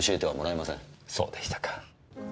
そうでしたか。